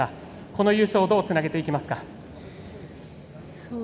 この優勝をどうつなげていきますか？